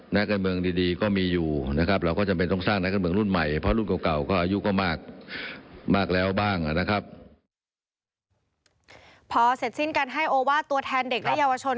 พอเสร็จสิ้นการให้โอวาสตัวแทนเด็กและเยาวชน